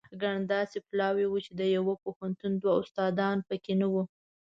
ګڼ داسې پلاوي وو چې د یوه پوهنتون دوه استادان په کې نه وو.